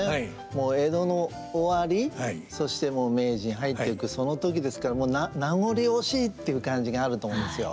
もう江戸の終わりそしてもう明治に入っていくその時ですから「名残惜しい」っていう感じがあると思うんですよ。